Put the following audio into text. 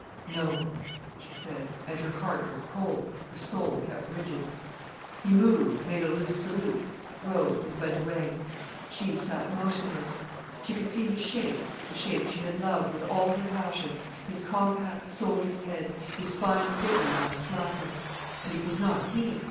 "No," she said, and her heart was cold, her soul kept rigid. He moved, made a loose salute, rose, and went away. She sat motionless. She could see his shape, the shape she had loved, with all her passion: his compact, soldier's head, his fine figure now slackened. And it was not he.